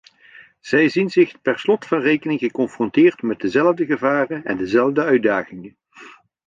Zij zien zich per slot van rekening geconfronteerd met dezelfde gevaren en dezelfde uitdagingen.